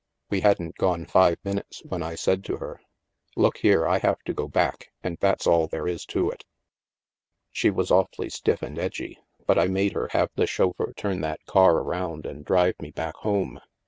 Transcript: We hadn't gone five minutes, when I said to her :' Look here, I have to go back, and that's all there is to it !' She was awfully stiff and edgy, but I made her have the chauffeur turn that car around and drive me back home.